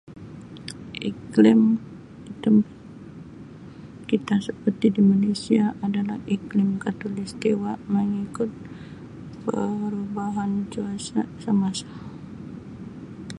Iklim di tem kita seperti di Malaysia adalah iklim Khatulistiwa mengikut perubahan cuaca semasa.